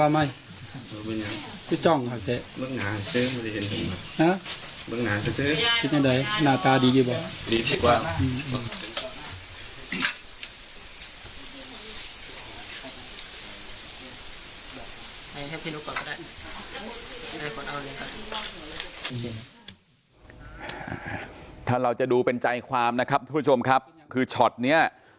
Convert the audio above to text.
ให้ได้ถ้าเราจะดูเป็นใจความนะครับคุณชมครับคือช็อตเนี่ย